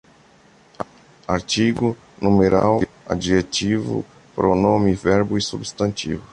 Artigo, numeral, adjetivo, pronome, verbo e substantivo